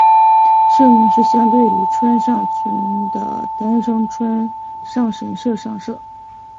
社名是相对于川上村的丹生川上神社上社。